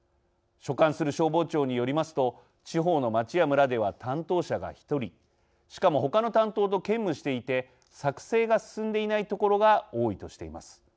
所管する消防庁によりますと地方の町や村では担当者が１人しかも他の担当と兼務していて作成が進んでいない所が多いとしています。